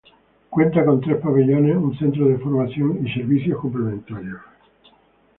Cuenta con tres pabellones, un centro de información y servicios complementarios.